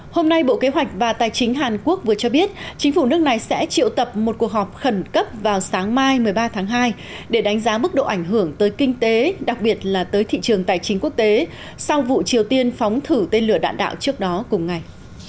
hôm nay bộ kế hoạch và tài chính hàn quốc vừa cho biết chính phủ nước này sẽ triệu tập một cuộc họp khẩn cấp vào sáng mai một mươi ba tháng hai để đánh giá mức độ ảnh hưởng tới kinh tế đặc biệt là tới thị trường tài chính quốc tế sau vụ triều tiên phóng thử tên lửa đạn đạo trước đó cùng ngày